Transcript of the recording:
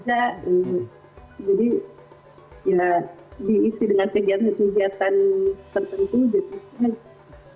jadi ya diisi dengan kegiatan kegiatan tertentu